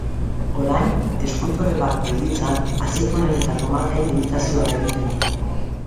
Orain eskultore bat bailitzan azeitunen eta tomateen imitazioak egiten ditu.